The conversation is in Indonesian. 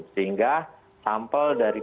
sehingga sampel dari